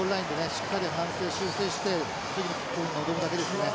しっかり反省修正して次のキックに臨むだけですね。